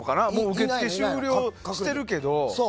受け付け終了してるけど。